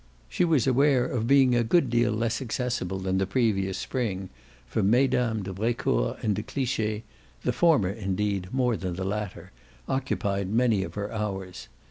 She was aware of being a good deal less accessible than the previous spring, for Mesdames de Brecourt and de Cliche the former indeed more than the latter occupied many of her hours.